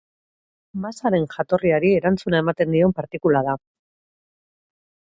Masaren jatorriari erantzuna ematen dion partikula da.